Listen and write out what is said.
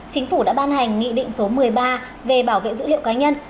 chính phủ đã ban hành nghị định số một mươi ba về bảo vệ dữ liệu cá nhân